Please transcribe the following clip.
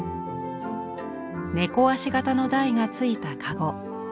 猫足型の台がついたかご。